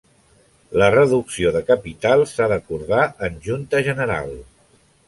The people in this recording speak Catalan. La reducció de capital s'ha d'acordar en junta general.